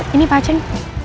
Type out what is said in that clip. ini pak ceng